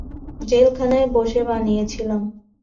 জেলখানায় বসে বানিয়েছিলাম।